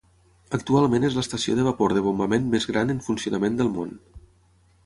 Actualment és l'estació de vapor de bombament més gran en funcionament del món.